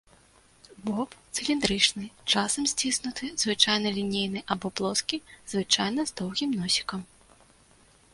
Боб цыліндрычны, часам сціснуты, звычайна лінейны або плоскі, звычайна з доўгім носікам.